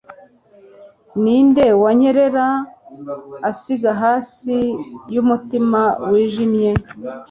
Ninde wanyerera asiga hasi yumutima wijimye